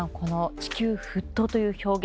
地球沸騰という表現